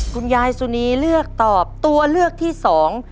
คุณยายสุนีเลือกตอบตัวเลือกที่สอง